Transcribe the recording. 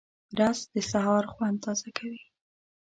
رس د سهار خوند تازه کوي